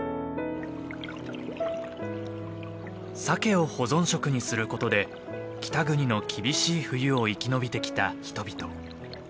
サケを保存食にすることで北国の厳しい冬を生き延びてきた人々。